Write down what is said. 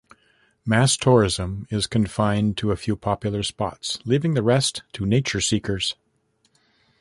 Mass tourism is confined to a few popular spots, leaving the rest to nature-seekers.